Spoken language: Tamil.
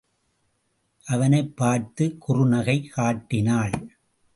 அவனைப் பார்த்துக் குறுநகை காட்டினாள்.